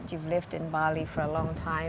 kamu sudah hidup di bali selama yang lama